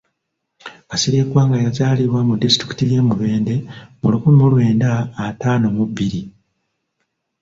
Kasirye Gwanga yazaalibwa mu disitulikiti y'e Mubende mu lukumi mu lwenda ataano mu bbiri.